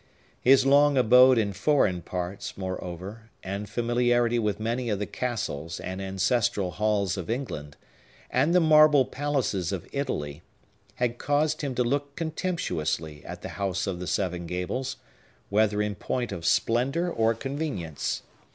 His long abode in foreign parts, moreover, and familiarity with many of the castles and ancestral halls of England, and the marble palaces of Italy, had caused him to look contemptuously at the House of the Seven Gables, whether in point of splendor or convenience.